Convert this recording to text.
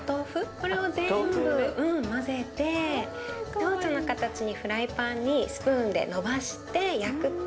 これを全部混ぜてちょうちょの形にフライパンにスプーンでのばして焼くと。